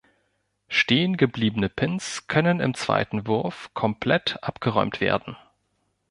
Stehengebliebene Pins können im zweiten Wurf komplett abgeräumt werden.